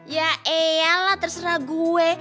ya iyalah terserah gue